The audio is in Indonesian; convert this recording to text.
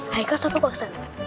haikal siapa pak ustadz